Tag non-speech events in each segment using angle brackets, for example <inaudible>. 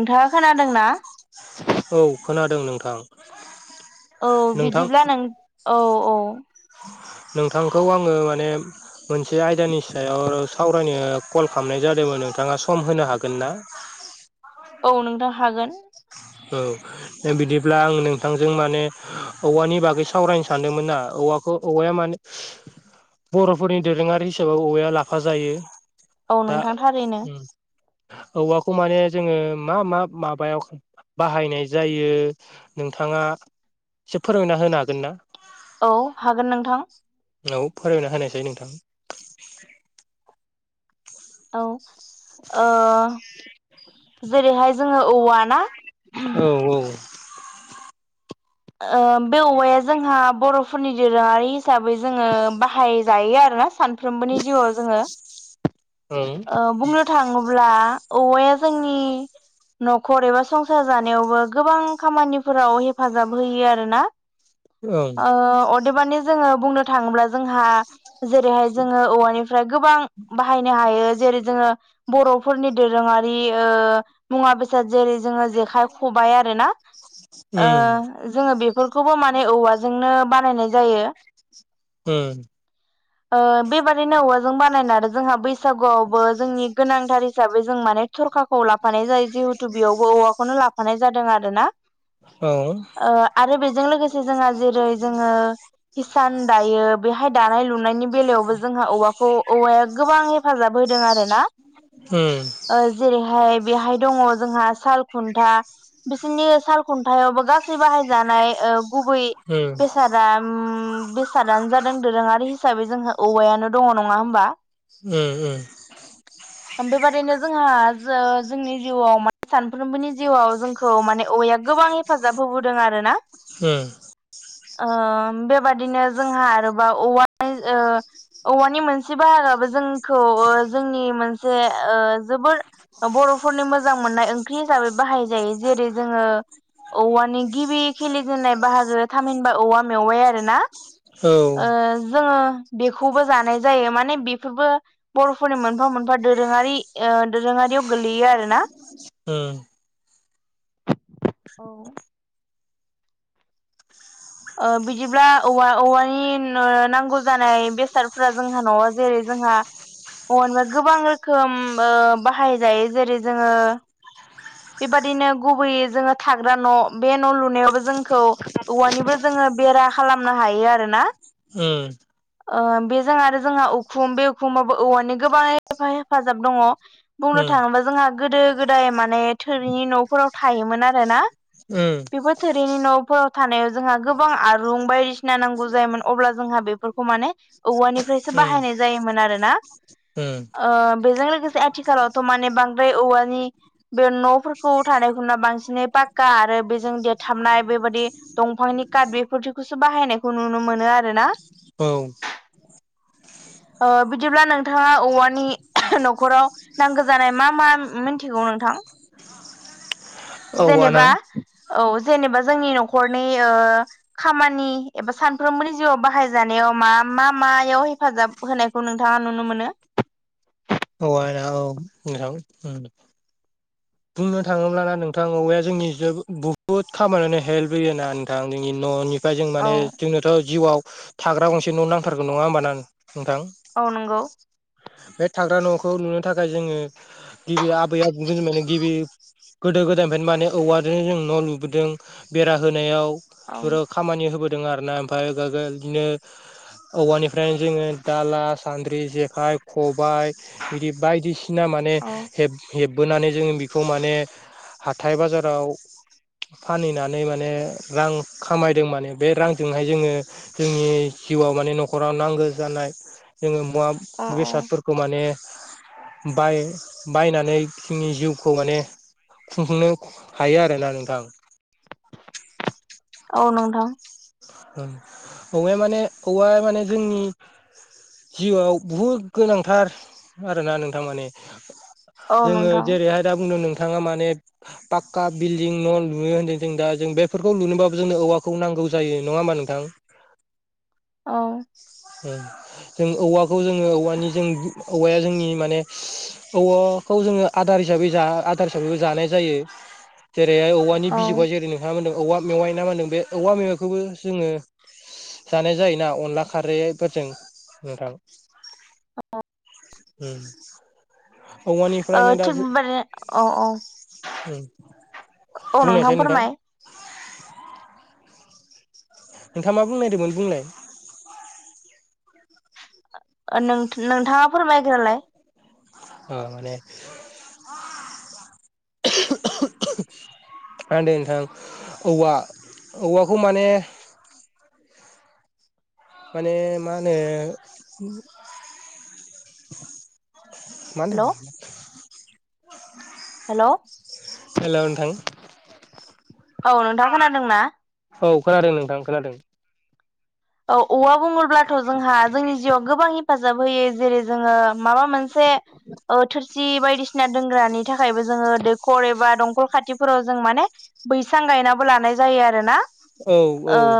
नोंथाङा खोनादोंना? औ खोनादों नोंथां। औ नोंथां बिदिब्ला नों औ औ। नोंथांखौ आङो माने मोनसे आयदानि सायाव सावरायनो कल खालामनाय जादोंमोन नोंथाङा सम होनो हागोन ना? औ नोंथां हागोन। औ बिदिब्ला आं नोंथांजों माने औवानि बागै सावरायनो सानदोंमोन ना औ औवाखौ औवाया माने बर'फोरनि दोरोङारि हिसाबै औवाया लाफा जायो। औ दा नोंथां थारैनो उम औवाख खौ माने जोङो मा मा माबायाव ख बाहायनाय जायो नोंथाङा एसे फोरमायना होनो हागोन ना? औ हागोन नोंथां। नाव फोरोंना होनायसै नोंथां। औ जेरैहाय जोङो औवा ना औ औ। बे औवाया जोंहा बर'फोरनि दोरोङारि हिसाबै जोङो बाहायजायो आरोना सानफ्रोमबोनि जिउआव जोङो ओं बुंनो थाङोब्ला औवाया जोंनि न'खर एबा संसार जानायावबो गोबां खामानिफोराव हेफाजाब। होयो आरोना ओं ओ अ देबानि जोङो बुंनो थाङोब्ला जोंहा जेरैहाय जोङो औवानि फ्राय गोबां बाहायनो हायो जेरै जोङो बर'फोरनि दोरोङारि ओ मुवा बेसाद जेरै जोङो जेखाइ खबाय आरो ना उम ओ जोङो बेफोरखौबो माने औवाजोंनो बानायनाय जायो। उम ओ बेबादिनो औवाजों बानायना आरो जोंहा बै सागुआवबो जोंनि गोनांथार हिसाबै जों माने थरखाखौ लाब फानाय जायो जिहेथु बेयावबो औवाखौनो लाफानाय जादों आरोना औ उम आरो जों लोगोसे जोंहा जेरै जोङो हिसान दायो बेहाय दानाय लुनायनि बेलायावबो जोंहा औवाखौ औवाया गोबां हेफाजाब होदों आरो ना उम ओ जेरै बेहाय दङ जोंहा साल खुन्था बिसोरनि साल खुन्थायावबो गा सै बाहायजानाय ओ गुबै बेसादा बेसादानो जादों दोरोङारि हिसाबै जोंहा औवायानो दङ नङा होमबा उम औ उम उम बेबादिनो जोंहा जोंनि जिउआव माने सानफ्रोमबोनि जिउआव जोंखौ माने औवाया गोबां हेफा जाब होबोदों आरो ना ओह ओ बेबादिनो जोंहा आरोबा औवा ओ औवानि मोनसे बाहागाबो जोंखौ ओ जोंनि मोनसे ओ जोबोर बर'फोरनि मोजां मोननाय ओंख्रि हिसाबै बाहाय जायो जेरै जोङो औवानि गिबि खिलिजेननाय बाहागो थामहिनबा औवा मेवाइ आरो ना औ जोङो बेखौबो जानाय जायो माने बेफोरबो बर'फोरनि मोनफा मोनफा दोरोङारि ओ दोरोङारियाव गोगलैयो आरो ना उम औ ओ बिदिब्ला औवा औवानि नांगौ जानाय बेसादफ्रा जोंहा न'आव जेरै जोंहा बवानिबा गोबां रोखोम ओ बाहाय जायो जेरै जोङो बेबायदिनो गुबैयै जोङो थाग्रा न' बे न' लुनायावबो जोंखौ औवानिबो जोङो बेरा खालामना हायो आरो ना उम ओ बेजों आरो जोंहा उखुम बे उखुमाबो औवानि गोबां हेफाजाब दङ बुंनो थाङोबा जोंहा गोदो गोदाय माने थोरिनि न'फोराव थायोमोन आरो ना बेफोर थोरिनि न'फोराव थानायाव जोंहा गोबां आरुं बायदिसिना नांगौ जायोमोन अब्ला जोंहा बे बेफोरखौ माने औवानिफ्रायसो उम बाहायनाय जायोमोन आरोना उम ओ बेजों लोगोसे आथिखालावथ' माने बांद्राय औवानि बे न'फोरखौ थानाय खौ नुना बांसिनै पाक्का आरो बेजों देरथाबनाय बेबादि दंफांनि काट बेफोरखौसो बाहायनायखौ नुनो मोनो आरो ना। औ ओ बिदिब्ला नोंथाङा औवानि न'खराव नांगौ जानाय मा मा मिथिगौ नोंथां? औवाना जेनेबा औ जेनेबा जोंनि न'खरनि खामानि एबा सानफ्रोमबोनि जिउआव बाहायजानायाव मा मा मायाव हेफाजाब होनायखौ नोंथाङा नुनो मोनो? <unintelligible> बुंनो थाङोब्लाना नोंथां औवाया जोंनि बुहुद खामानियावनो हेल्प होयोना नोंथां जोंनि न'नि ओमफ्राय जों औ माने जोंनोथ' जिउआव थाग्रा गंसे न' नांथारगौ नङा होमबाना औ नंगौ बे थाग्रा न'खौ लुनो थाखाय जोङो गिबि आबै आबौमोन जों नो गिबि गोदो गोदायनिफ्रायनो माने औवाजों जों न' लुबोदों बेरा होनायाव औ बे खामानि होबोदों आरोना ओमफ्राय बिदिनो औवानिफ्रायनो जोङो दाला सान्द्रि जेखाय खबाय बिदि बायदिसिना माने औ हेब हेब बोनानै जोङो बिखौ माने हाथाइ बाजाराव फानहैनानै माने रां खामायदों माने बे रांजोंहाय जोङो जोंनि जिउआव माने न'खराव नांगौ जानाय जोङो मुवा औ बेसादफोरखौ माने बाय बायनानै जोंनि जिउखौ माने खुंफुंनो हायो आरोना नोंथां। <inaudible> औ नोंथां औवाया माने औवाया माने जोंनि जिउआव बुहुद गोनांथार आरोना नोंथां माने औ जोङो नोंथां जेरैहाय दा बुंदों नों नोंथाङा माने पाक्का बिल्डिं न' लुयो होन्दों जों दा जों बेफोरखौ लुनोबाबो जोंनो औवाखौ नांगौ जायो नङा होनबा नोंथां? औ ओम जों औवाखौ जोङो औवानि जों औवाया जोंनि माने औवाखौ जोङो आदार हिसाबै बो जानाय जायो ज जे औवानि औ बिजौखौहाय जेरै नोंथाङाबो होनदों औवा मेवाइ ना होनदों बे औवा मेवाइखौबो जोङो जानाय जायोना अनला खारैफोरजों नोंथां अ उ ओ औवानिफ्रायनो दा थिग बेबादिनो औ औ <inaudible> औ बुंनायसै नोंथां फोरमाय नोंथाङा मा बुंनो नागिरदोंमोन बुंनाय ओ नोंथाङा फोरमायग्रोलाय ओ माने <inaudible> नोंथां औवा औवाखौ माने <inaudible> माने मा होनो मा हेलौ होनदों? हेल' हेल नोंथां औ नोंथाङा खोनादोंना औ खोनादों नोंथां खोनादों औ औवा बुङोब्लाथ' जोंहा जोंनि जिउआव गोबां हेफाजाब होयो जेरै जोङो माबा मोनसे ओ थोरसि बायदिसिना दोनग्रानि नि थाखायबो जोङो दैखर एबा दं खल खाथिफोराव जों माने बैसां गायनाबो लानाय जायो आरोना औ ओ औ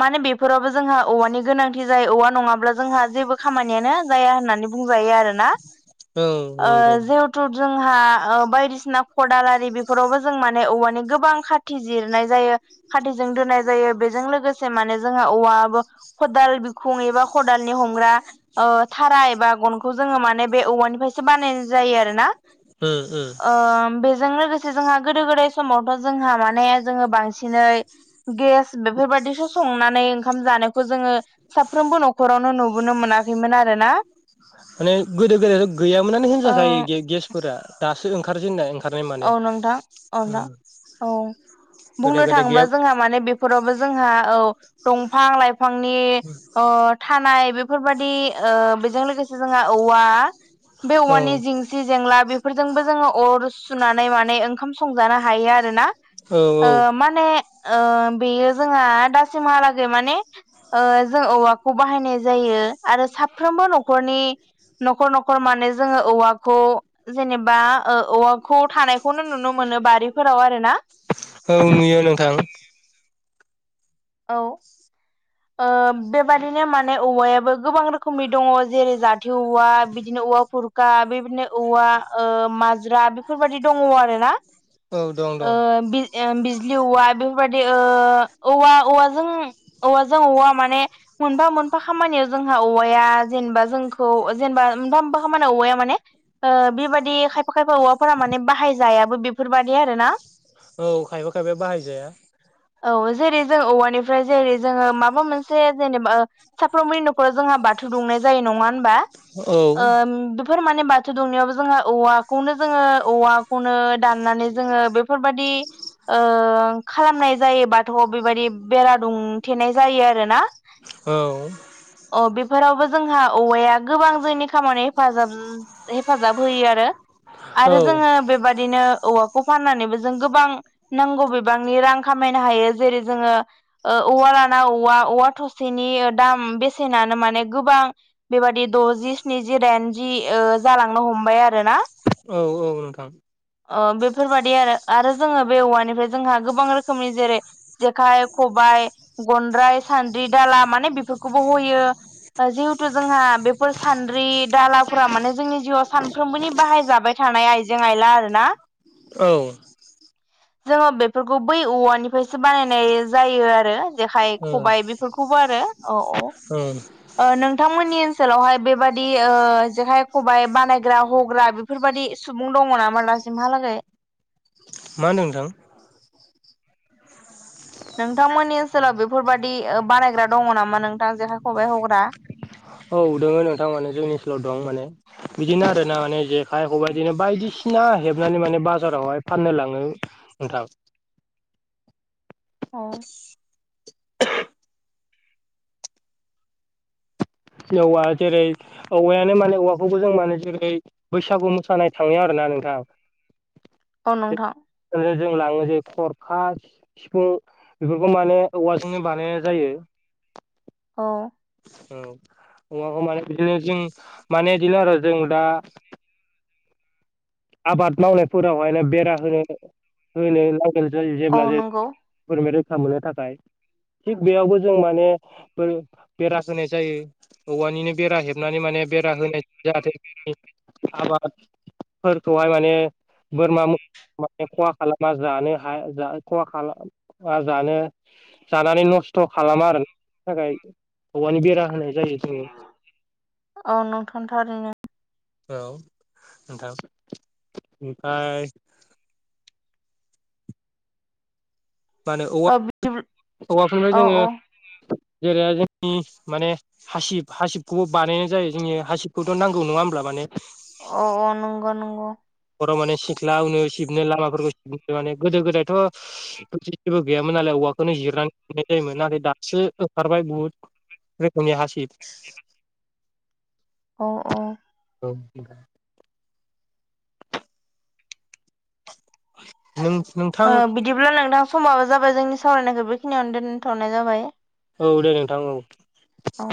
माने बेफोरावबो जोंहा औवानि गोनांथि जायो औवा नङाब्ला जोंहा जेबो खामानि इनियानो जाया होननानै बुंजायो आरो ना औ नंगौ जोंहा ओ बायदिसिना खदालारि बेफोरावबो जों माने औवानि गोबां खाथि जिरनाय जायो खाथिजों दोननाय जायो बेजों लोगो से माने जों औबा खदाल बिखुं एबा खदालनि हमग्रा ओ थारा एबा गन जोंङो माने बे औवानिफ्रायसो बानायनाय जायो आरोना उम उम ओम बे जों लोगोंसे जोंहा गोदो गोदाय समावथ जोंहा माने जोंङो बांसिनै गेस बेफोरबायदिसो संनानै ओंखाम जानायखौ जोङो साफ्रोमबो न'खरावनो नुबोनो मोनाखैमोन आरो ना माने गोदो गोदायथ' गैयामोनानो ओ होनजाखायो गेसफोरा दासो ओंखारजेननाय ओंखारनाय माने औ नोंथां औ ना उम औ। गोदो बुंनो गोदाय थाङोबा गैया जोंहा माने बेफोरावबो जोंहा। औ दंफां लाइफांनि ओ थानाय बेफोरबायदि ओ बेजों लोगोसे जोंहा औवा बे औ औवानि जिंसि जेंला बेफोरजोंबो जोङो अर सुनानै माने ओंखाम संजानो हायो आरोना औ औ ओ माने ओ बेयो जोंहा दासिमहालागै माने ओ जों औवाखौ बाहायनाय जायो। आरो साफ्रोमबो न'खरनि न'खर न'खर माने जोङो औवाखौ जेनेबा आ ओ औवाखौ थानायखौनो नुनो मोनो बारिफोराव आरो ना औ नुयो नोंथां। औ ओ बेबादिनो माने औवायाबो गोबां रोखोमनि दङ जेरै जाथि औवा बिदि नो औवा भुरखा बेबायदिनो औवा ओ माज्रा बेफोरबायदि दङ आरो ना? औ दं दं ओ बिज बिजलि औवा बेफोरबायदि ओ औवा औवाजों औवाजों औवा माने मोनफा मोनफा खामानियाव जोंहा औवाया जेनेबा जों खौ जेनेबा मोनफा मोनफा खामानियाव औवाया माने ओ बेबायदि खा यफा खायफा औवाफोरा माने बाहायजायाबो बेफोरबायदि आरो ना। औ खायफा खायफाया बाहायजाया औ जेरै जों औवानिफ्राय जेरै जोङो माबा मोनसे जेनेबा साफ्रोमबोनि न'खराव जोंहा बाथौ दुंनाय जायो नङा होमबा औ ओ बेफोर माने बाथौ दुंनायावबो जोंहा औवाखौनो जोङो औवाखौनो दाननानै जोङो बेफोरबायदि ओ खालामनाय जायो बाथौ बेबायदि बेरा दुंथेनाय जायो आरो ना औ बेफोरावबो जोंहा औवाया गोबां जोंनि खामानि हेफाजाब हेफाजाब होयो आरो आरो औ जोङो बेबादिनो औवाखौ फाननानैबो जों गोबां नांगौ बिबांनि रां खामायनो हायो जेरै जोङो औवा लाना औवा औवा थसेनि दाम बेसेनानो माने गोबां। बेबादि द'जि स्निजि दाइनजि ओ जालांनो हमबाय आरो ना? औ औ नोंथां। ओ बेफोरबादि आरो आरो जोङो बे औवानिफ्राय जोंहा गोबां रोखोमनि जेरै जेखाइ खबाइ गनद्राय सान्द्रि दाला माने बेफोरखौबो हयो जि हेथु जोंहा बेफोर सान्द्रि दालाफोरा माने जोंनि जिउआव सानफ्रोमबोनि बाहायजाबाय थानाय आइजें आइला आरोना। औ जोङो बेफोरखौ बै औवानिफ्रायसो बानायनाय जायो आरो। जेखाय ओ खबाय औ बेफोरखौबो आरो अ अ ओ नोंथांमोननि ओनसोलावहाय बेबायदि ओ जेखाय, खबाय बानायग्रा हग्रा बेफोरबायदि सुबुं दङ नामा दासिमहालागै? मा होनदों नोंथां? नोंथांमोननि ओनसोलाव बेफोरबादि बानायग्रा दङ नामा नोंथां, जेखाइ-खबाइ हग्रा? औ दोङो नोंथां, माने जोंनि ओनसोलाव दं, माने बिदिनो आरो ना माने जे खाइ खबाइ बायदि सिना हेबनानै माने बाजारावहाय फाननो लाङो नोंथां। अ औवा। जेरै-औवायानो माने औवाखौबो जों माने जेरै बैसागु मोसानाय थाङो आरो ना? नोंथां अ नोंथां जों लाङो जे खरखा, सिफुं बेफोरखौ माने औवाजोंनो बानायनाय जायो। <inaudible> अह औ अम माने बिदिनो जों माने बिदिनो आरो जों दा आबाद मावनायफोरावहायनो बेरा होनो होनो औ जेब्ला जे नंगौ फोरनिफ्राय रैखा मोननो थाखाय थिग बेयावबो जों माने बेरा होनाय जायो औवानिनो बेरा हेब नानै माने बेरा होनाय जाहाथे आबादफोरखौहाय माने बोरमा मोसौआ माने खहा खालामा जानो हा खहा खालामा जानो जानानै नस्थ' खस्थ' खालामा आरो ना थाखाय औवानि बेरा होनाय जायो जोङो औ नोंथां थारैनो। औ नोंथां ओमफ्राय माने औवा औ औआफोरनिफ्राय औ जोङो औ जेरै जोंनि माने हासिब हासिबखौबो बानायनाय जायो जोंनि हासिबखौथ' नांगौ नङा होमब्ला माने अ अ नंगौ नंगौ। सिख्ला उनो सिबनो लामाफोरखौ सिबनो माने गोदो गोदायथ' गैयामोन नालाय। नो जिरनानै जायोमोन नाथाय दासो ओंखारबाय बुहुद रोखोमनि हासिब <inaudible> अह अह औ <inaudible> नोंथां बिदिब्ला नोंथां समाबो जाबाय जोंनि सावरायनायखौ बेखिनियावनो दोनथ'नाय जाबाय औ दे नोंथां औ औ।